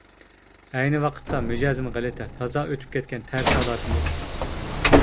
ئەينى ۋاقىتتا، مىجەزىم غەلىتە، تازا ئۆتۈپ كەتكەن تەرسالاردىن ئىدىم.